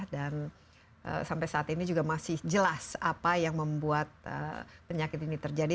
dan sampai saat ini juga masih jelas apa yang membuat penyakit ini terjadi